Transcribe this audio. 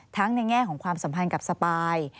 ในแง่ของความสัมพันธ์กับสปาย